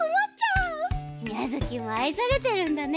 ミャヅキもあいされてるんだね！